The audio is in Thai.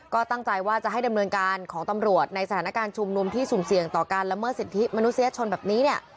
ก็ตั้งใจว่าจะให้ดำเนินการของตำรวจในสถานการณ์ชุมนุมที่สุ่มเสี่ยงต่อการละเมิดสิทธิมนุษยชนแบบนี้เนี่ย